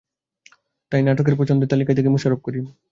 তাই নাটকের শিল্পী নির্বাচনের সময় আমার পছন্দের তালিকায় থাকে মোশাররফ করিম।